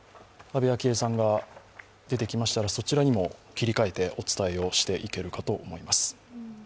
安倍昭恵さんが出てきましたら、そちらにも切り替えてお伝えをしていけるかと思います。